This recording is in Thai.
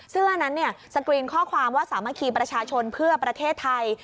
เสื้อนั้นสกรีนข้อความว่าสามัคคีประชาชนเพื่อประเทศไทย